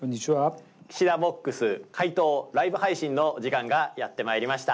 岸田ＢＯＸ回答ライブ配信の時間がやってまいりました。